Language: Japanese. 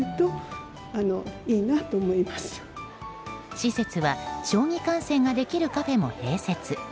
施設は、将棋観戦ができるカフェも併設。